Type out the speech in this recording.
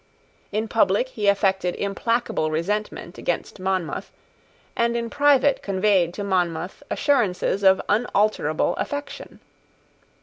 In public he affected implacable resentment against Monmouth, and in private conveyed to Monmouth assurances of unalterable affection.